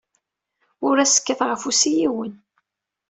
Ur as-kkateɣ afus i yiwen.